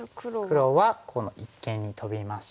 黒はこの一間にトビまして。